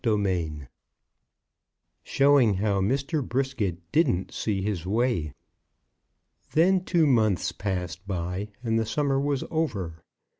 CHAPTER XX. SHOWING HOW MR. BRISKET DIDN'T SEE HIS WAY. Then two months passed by, and the summer was over.